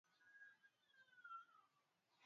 kwenye sehemu za mwili zilizo wazi na kifo